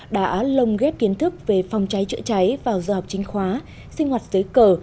đã lồng ghép kiến thức về phòng cháy chữa cháy vào giờ học trinh khóa sinh hoạt giới cờ